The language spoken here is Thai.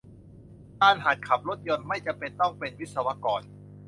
การหัดขับรถยนต์ ไม่จำเป็นต้องเป็นวิศกร